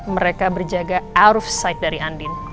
mereka berjaga out of sight dari andin